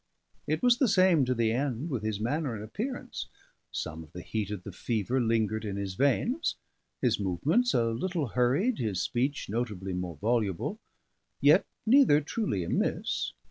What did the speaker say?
It was the same to the end, with his manner and appearance. Some of the heat of the fever lingered in his veins: his movements a little hurried, his speech notably more voluble, yet neither truly amiss.